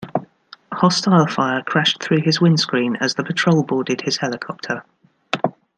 Hostile fire crashed through his windscreen as the patrol boarded his helicopter.